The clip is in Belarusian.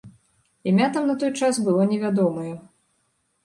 Імя там на той час было невядомае.